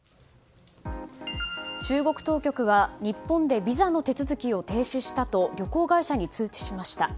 中国当局は日本でビザの手続きを停止したと旅行会社に通知しました。